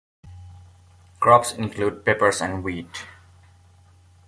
Crops include peppers and wheat.